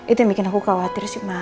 itu yang bikin aku khawatir sih mah